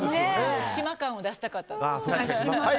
島感を出したかったんですかね。